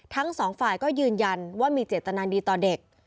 ทั้งสองฝ่ายก็ยืนยันว่ามีเจตนาดีต่อเด็ก